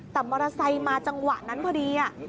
แต่มอเตอร์ไซค์มาจังหวะนั้นพอดี